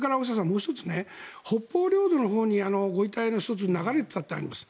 もう１つ北方領土のほうにご遺体の１つが流れていたという話があります。